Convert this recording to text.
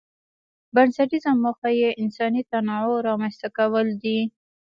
بنسټيزه موخه یې انساني تنوع رامنځته کول دي.